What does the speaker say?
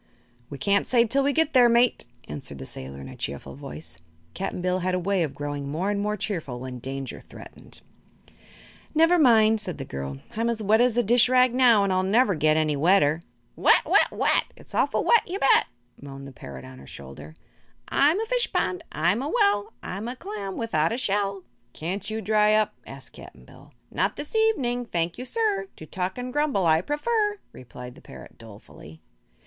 "We can't say till we get there, mate," answered the sailor in a cheerful voice. Cap'n Bill had a way of growing more and more cheerful when danger threatened. "Never mind," said the girl; "I'm as wet as a dish rag now, and I'll never get any wetter." "Wet, wet, wet! It's awful wet, you bet!" moaned the parrot on her shoulder. "I'm a fish pond, I'm a well; I'm a clam without a shell!" "Can't you dry up?" asked Cap'n Bill. "Not this evening, thank you, sir; To talk and grumble I prefer," replied the parrot, dolefully.